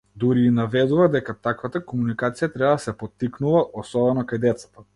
Дури и наведува дека таквата комуникација треба да се поттикнува, особено кај децата.